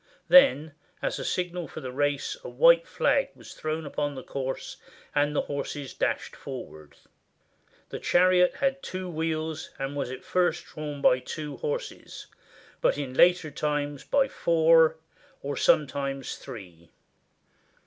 Then as a signal for the race a white flag was thrown upon the course, and the horses dashed forward. The chariot had two wheels, and was at first drawn by two horses, but in later times by four, or sometimes three.